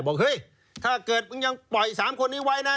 บอกเฮ้ยถ้าเกิดมึงยังปล่อย๓คนนี้ไว้นะ